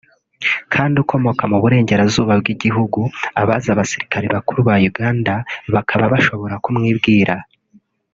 kandi ukomoka mu burengerazuba bw’igihugu (abazi abasirikare bakuru ba Uganda bakaba bashobora kumwibwira)